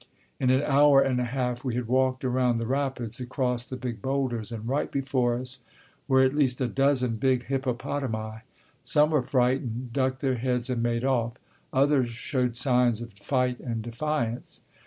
In an hour and a half we had walked around the rapids, across the big boulders, and right before us were at least a dozen big hippopotami. Some were frightened, ducked their heads and made off; others showed signs of fight and defiance.